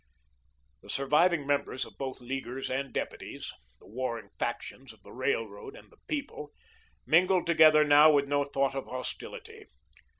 The surviving members of both Leaguers and deputies the warring factions of the Railroad and the People mingled together now with no thought of hostility.